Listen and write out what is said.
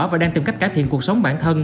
và đang tìm cách cải thiện cuộc sống bản thân